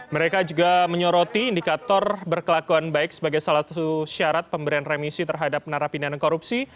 mereka juga menyoroti indikator berkelakuan baik sebagai salah satu syarat pemberian remisi terhadap narapidana korupsi